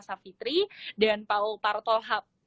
savitri dan paul tartolhap